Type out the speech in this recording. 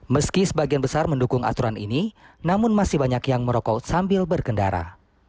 meski sebagian besar mendukung aturan ini namun masih banyak yang merokok sambil berkendara